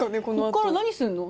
ここから何するの？